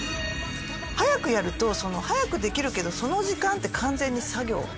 早くやると早くできるけどその時間って完全に作業。